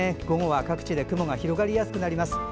午後は各地で雲が広がりやすくなります。